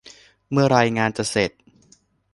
เมื่อไรงานจะเสร็จ